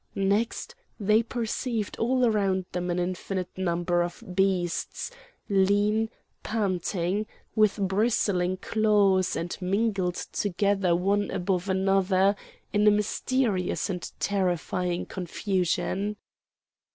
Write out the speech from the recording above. Next they perceived all around them an infinite number of beasts, lean, panting, with bristling claws, and mingled together one above another in a mysterious and terrifying confusion.